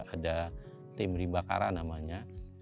ada tim rimbakara namanya